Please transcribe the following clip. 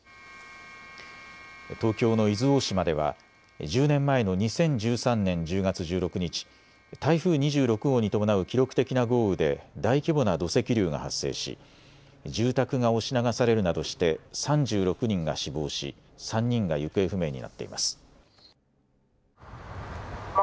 東京の伊豆大島では１０年前の２０１３年１０月１６日、台風２６号に伴う記録的な豪雨で大規模な土石流が発生し住宅が押し流されるなどして３６人が死亡し３人が行方不明になっています。